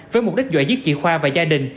với mục đích dọa giết chị khoa và gia đình